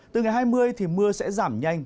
từ ngày hai mươi thì mưa sẽ giảm nhanh